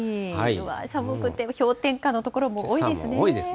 寒くて氷点下の所も多いですね。